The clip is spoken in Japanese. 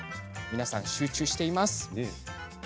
皆さん、集中しています。